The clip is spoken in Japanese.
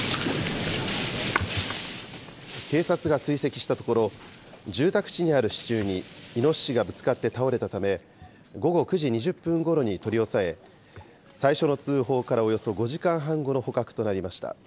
警察が追跡したところ、住宅地にある支柱にイノシシがぶつかって倒れたため、午後９時２０分ごろに取り押さえ、最初の通報からおよそ５時半後の捕獲となりました。